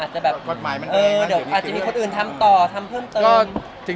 อาจจะแบบอาจจะมีคนอื่นทำต่อทำเพิ่มเติม